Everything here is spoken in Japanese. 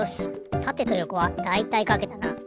たてとよこはだいたいかけたな。